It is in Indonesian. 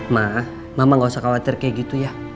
mah mama gak usah khawatir kayak gitu ya